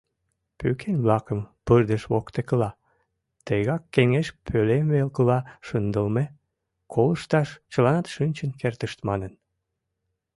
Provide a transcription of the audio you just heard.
Пӱкен-влакым пырдыж воктекыла, тыгак кеҥеж пӧлем велкыла шындылме – колышташ чыланат шинчын кертышт манын.